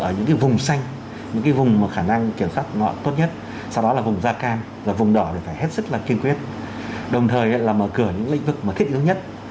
ở những cái vùng xanh những cái vùng mà khả năng kiểm soát nó tốt nhất